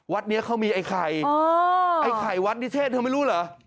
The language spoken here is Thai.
วัดนี้เขามีไอ้ไข่ไอ้ไข่วัดนิเชษเธอไม่รู้เหรอ